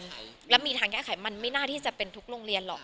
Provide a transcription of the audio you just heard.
แล้วมีทางแก้ไขมันไม่น่าที่จะเป็นทุกโรงเรียนหรอก